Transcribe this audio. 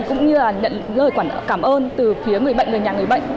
cũng như là nhận lời cảm ơn từ phía người bệnh người nhà người bệnh